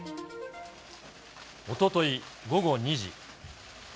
おととい午後２時。